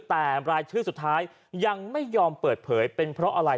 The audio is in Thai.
แต่รายชื่อสุดท้ายยังไม่ยอมเปิดเผยเป็นเพราะอะไร